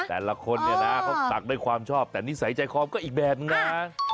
แต่ละคนเนี่ยนะเขาตักด้วยความชอบแต่นิสัยใจคอมก็อีกแบบนึงนะ